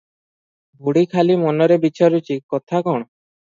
ବୁଢୀ ଖାଲି ମନରେ ବିଚାରୁଛି, କଥା କଣ?